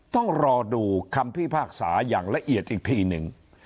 ต้องรอดูคำพิพากษาอย่างละเอียดอีกทีหนึ่ง